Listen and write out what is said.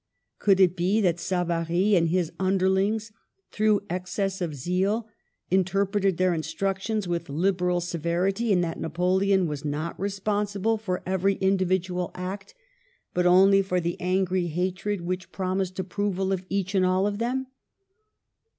Could it be that Savary and his underlings, through excess of zeal, interpreted their instructions with liberal severity and that Napoleon was not responsible for every individ Digitized by VjOOQLC SECOND MARRIAGE. IJZ ual act, but only for the angry hatred which promised approval of each and all of them